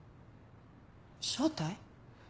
正体？